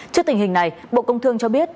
trước tình hình này bộ công thương cho biết